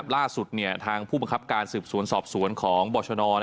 ล่าสุดทางผู้บังคับการสืบสวนสอบสวนของบรชน